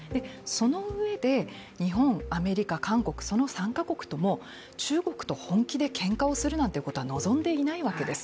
そのうえで、日本、アメリカ、韓国その３か国とも中国と本気でけんかをするなんていうことは望んでいないわけです。